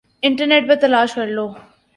internet پر تلاش کر لو